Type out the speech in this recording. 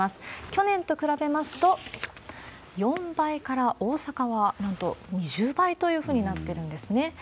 去年と比べますと、４倍から、大阪はなんと２０倍というふうになっているんですね。